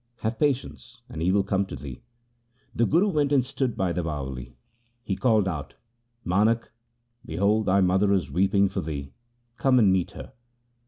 Have patience, and he will come to thee.' The Guru went and stood by the Bawali. He called out, ' Manak, behold thy mother is weeping for thee, come and meet her.'